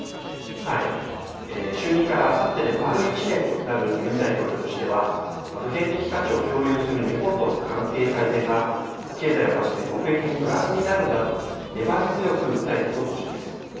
就任からあさってで丸１年となるユン大統領としては、普遍的価値を共有する日本との関係改善が、経済をはじめ国益にプラスになるんだと、粘り強く訴えていく方針です。